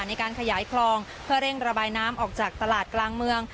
ในการขยายคลองเพื่อเร่งระบายน้ำออกจากตลาดกลางเมือง